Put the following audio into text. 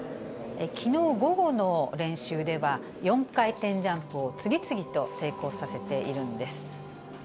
きのう午後の練習では、４回転ジャンプを次々と成功させているんです。